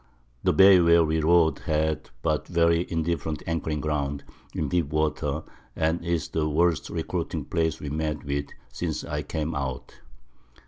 The Bay where we rode had but very indifferent Anchoring Ground, in deep Water, and is the worst recruiting Place we met with since I came out.